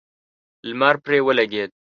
لمر پرې ولګېد.